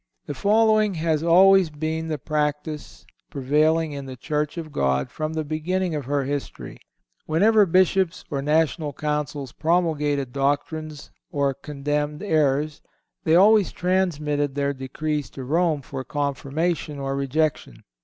The following has always been the practice prevailing in the Church of God from the beginning of her history. Whenever Bishops or National Councils promulgated doctrines or condemned errors they always transmitted their decrees to Rome for confirmation or rejection.